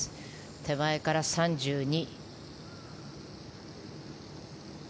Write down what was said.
手前から３２。